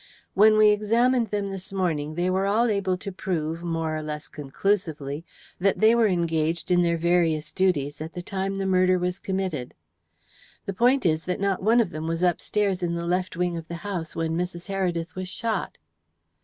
When we examined them this morning they were all able to prove, more or less conclusively, that they were engaged in their various duties at the time the murder was committed. The point is that not one of them was upstairs in the left wing of the house when Mrs. Heredith was shot.